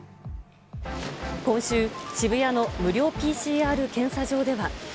今週、渋谷の無料ＰＣＲ検査場では。